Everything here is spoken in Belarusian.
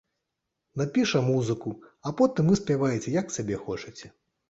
Напіша музыку, а потым вы спявайце, як сабе хочаце.